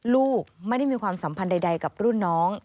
ลูกไม่ได้มีความสัมพันธ์ใดกับรุ่นน้อง